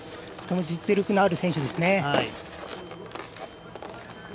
実力のある選手です。